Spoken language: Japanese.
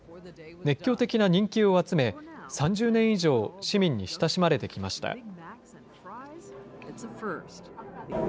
熱狂的な人気を集め、３０年以上、市民に親しまれてきました。